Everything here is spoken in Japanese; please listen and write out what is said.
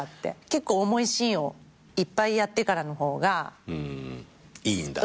結構重いシーンをいっぱいやってからの方が。いいんだ？